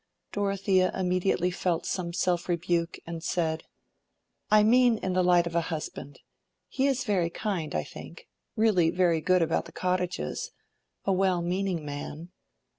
Dorothea immediately felt some self rebuke, and said— "I mean in the light of a husband. He is very kind, I think—really very good about the cottages. A well meaning man."